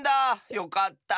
よかった。